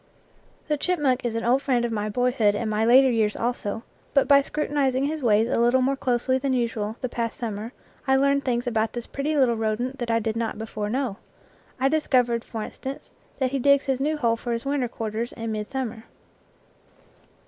The chipmunk is an old friend of my boyhood and my later years also, but by scrutinizing his ways a little more closely than usual the past summer I learned things about this pretty little rodent that I did not before know. I discovered, for instance, that he digs his new hole for his winter quarters in midsummer.